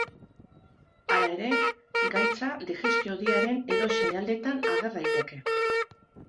Hala ere, gaitza digestio-hodiaren edozein aldetan ager daiteke.